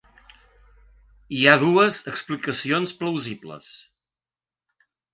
Hi ha dues explicacions plausibles.